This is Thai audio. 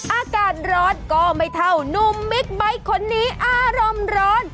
อากาศร้อนก็ไม่เท่านุ่มบิ๊กไบท์คนนี้อารมณ์ร้อน